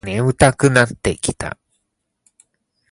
眠たくなってきた